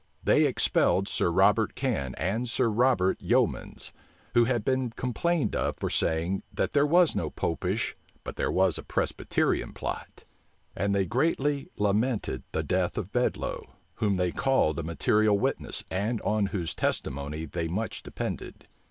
They expelled Sir Robert Can and Sir Robert Yeomans, who had been complained of for saying, that there was no Popish, but there was a Presbyterian plot. And they greatly lamented the death of Bedloe, whom they called a material witness, and on whose testimony they much depended.